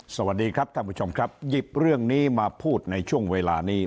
สวัสดีครับท่านผู้ชมครับหยิบเรื่องนี้มาพูดในช่วงเวลานี้